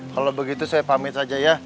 kalau begitu saya pamit saja ya